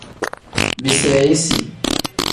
Biseyisi.